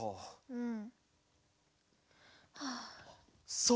うん。